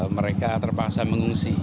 mereka terpaksa mengungsi